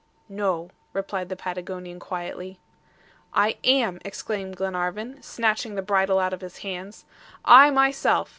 "No," replied the Patagonian quietly. "I am," exclaimed Glenarvan, snatching the bridle out of his hands. "I, myself!